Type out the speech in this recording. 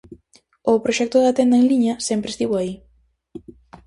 O proxecto da tenda en liña sempre estivo aí.